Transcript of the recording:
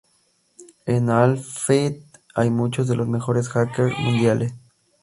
En alphabet hay muchos de los mejores Hackers mundiales.